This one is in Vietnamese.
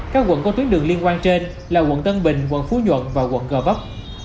các quận có tuyến đường liên quan trên là quận tân bình quận phú nhuận và quận gò vấp